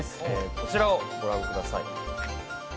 こちらをご覧ください。